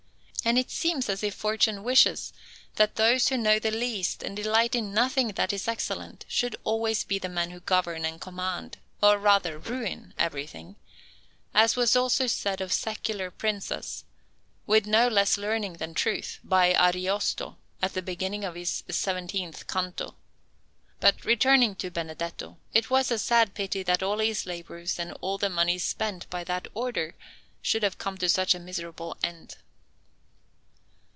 And it seems as if fortune wishes that those who know the least and delight in nothing that is excellent, should always be the men who govern and command, or rather, ruin, everything: as was also said of secular Princes, with no less learning than truth, by Ariosto, at the beginning of his seventeenth canto. But returning to Benedetto: it was a sad pity that all his labours and all the money spent by that Order should have come to such a miserable end.